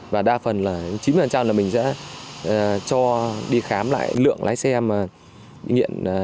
và đa phần là chín mươi là mình sẽ cho đi khám lại lượng lái xe mà nghiện